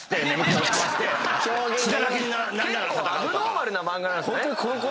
結構アブノーマルな漫画なんすね。